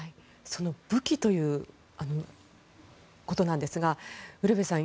その武器ということなんですがウルヴェさん